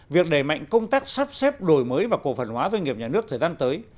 việc đẩy mạnh công tác sắp xếp đổi mới và cổ phần hóa doanh nghiệp nhà nước thời gian tới